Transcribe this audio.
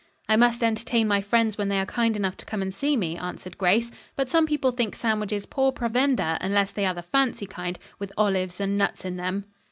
"I must entertain my friends when they are kind enough to come and see me," answered Grace. "But some people think sandwiches poor provender unless they are the fancy kind, with olives and nuts in them.